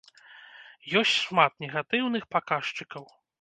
Ёсць шмат негатыўных паказчыкаў.